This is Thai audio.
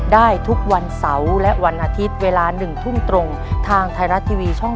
ได้ทุกวันเสาร์และวันอาทิตย์เวลา๑ทุ่มตรงทางไทยรัฐทีวีช่อง๓